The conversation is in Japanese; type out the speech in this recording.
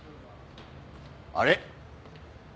あれ？